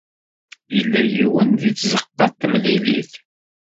Yella yiwen deg tzeɣɣa n temlilit.